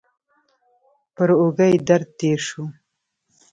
پر اوږه یې درد تېر شو.